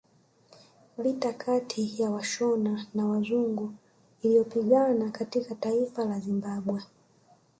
Vita kati ya Washona na wazungu iliyopiganwa katika taifa la Zimbabwe